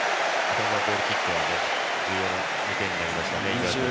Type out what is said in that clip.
このゴールキックは重要な２点になりましたね。